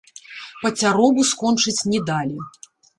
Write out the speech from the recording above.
Пацяробу скончыць не далі.